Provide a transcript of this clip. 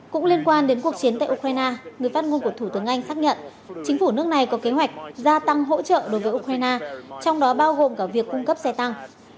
cũng liên quan đến cuộc chiến tại ukraine người phát ngôn của thủ tướng anh xác nhận chính phủ nước này có kế hoạch gia tăng hỗ trợ đối với ukraine trong đó bao gồm cả việc cung cấp xe tăng